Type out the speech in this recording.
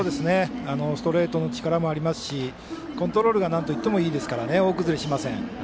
ストレートの力もありますしコントロールがなんといってもいいですから大崩れしません。